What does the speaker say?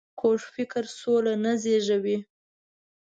کوږ فکر سوله نه زېږوي